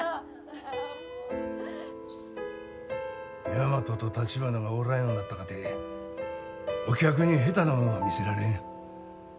大和と橘がおらんようになったかてお客に下手なもんは見せられん。